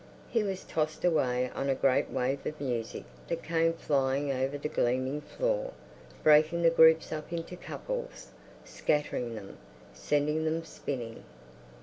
He was tossed away on a great wave of music that came flying over the gleaming floor, breaking the groups up into couples, scattering them, sending them spinning....